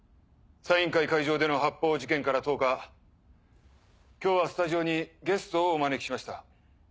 サイン会会場での発砲事件から１０日今日はスタジオにゲストをお招きしました。